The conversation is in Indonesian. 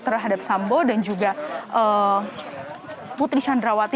terhadap sambo dan juga putri candrawati